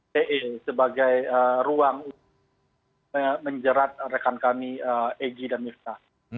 te sebagai ruang menjerat rekan kami eg dan mirta